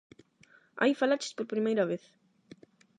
Aí falaches por primeira vez.